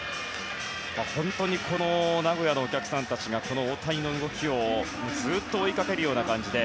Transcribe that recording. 本当に名古屋のお客さんたちが大谷の動きをずっと追いかけるような感じで。